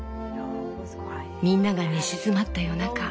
みんなが寝静まった夜中。